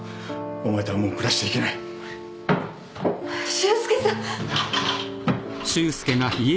修介さん